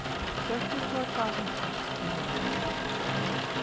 'Thirty four thousand pounds per annum.